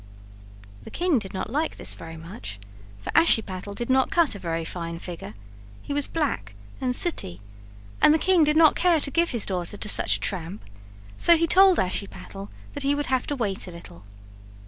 The king did not like this very much, for Ashiepattle did not cut a very fine figure; he was black and sooty, and the king did not care to give his daughter to such a tramp, so he told Ashiepattle that he would have to wait a little.